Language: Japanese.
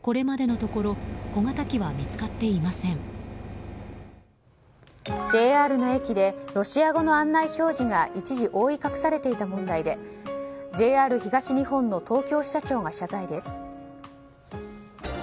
ＪＲの駅でロシア語の案内表示が一時、覆い隠されていた問題でＪＲ東日本の東京支社長が謝罪です。